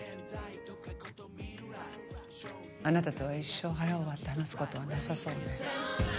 あなたとは一生腹を割って話すことはなさそうね